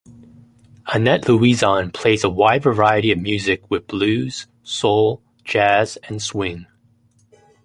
Annett Louisan plays a wide variety of music with blues, soul, jazz and swing.